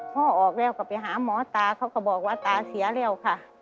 ออกแล้วก็ไปหาหมอตาเขาก็บอกว่าตาเสียแล้วค่ะ